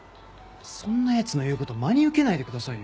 そんなやつの言うこと真に受けないでくださいよ。